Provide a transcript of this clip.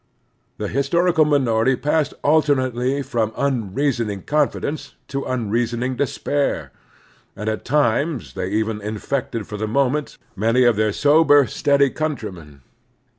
The hysterical minority passed alternately from imreasoning confidence to imreasoning despair; and at times they even infected for the moment many of their sober, steady coimtrymen.